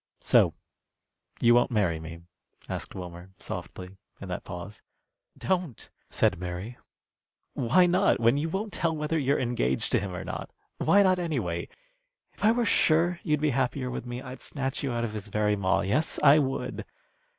"So you won't marry me?" asked Wilmer, softly, in that pause. "Don't!" said Mary. "Why not, when you won't tell whether you're engaged to him or not? Why not, anyway? If I were sure you'd be happier with me, I'd snatch you out of his very maw. Yes, I would.